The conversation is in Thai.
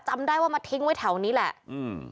จำได้ว่ามาทิ้งไว้แถวนี้แหละอืม